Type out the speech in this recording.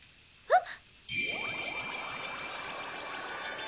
あっ？